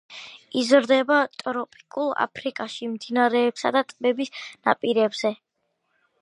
იზრდება ტროპიკულ აფრიკაში, მდინარეებისა და ტბების ნაპირებზე.